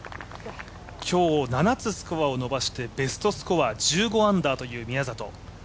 今日、７つスコアを伸ばしてベストスコア１５アンダーという宮里。